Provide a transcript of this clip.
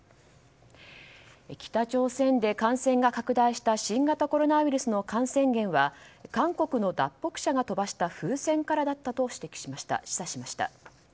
北朝鮮で感染が拡大した新型コロナウイルスの感染源は韓国の脱北者が飛ばした風船からだったと示唆しました。